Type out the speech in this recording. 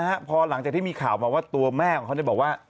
มาจากที่มีข่าวว่าตัวแม่ของเขาจะบอกว่า